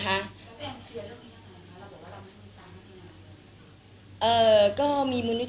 แล้วแปลงเคลียร์เรื่องนี้ค่ะเราบอกว่าเราไม่มีคุณศาสตร์มาช่วย